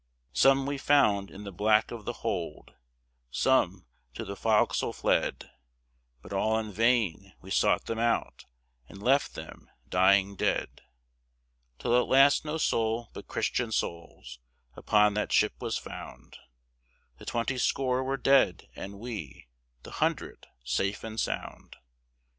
Some we found in the black of the hold, Some to the fo'c's'le fled, But all in vain; we sought them out And left them lying dead; Till at last no soul but Christian souls Upon that ship was found; The twenty score were dead, and we, The hundred, safe and sound.